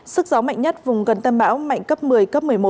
sức gió mạnh nhất vùng gần tâm bão mạnh cấp một mươi cấp một mươi một